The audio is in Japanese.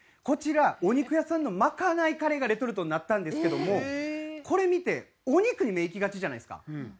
こちらお肉屋さんのまかないカレーがレトルトになったんですけどもこれ見てお肉に目いきがちじゃないですか。